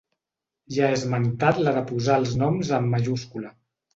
Ja he esmentat la de posar els noms en majúscula.